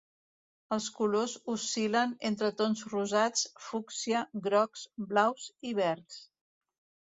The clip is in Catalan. Els colors oscil·len entre tons rosats, fúcsia, grocs, blaus i verds.